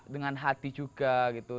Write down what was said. dengan hati juga gitu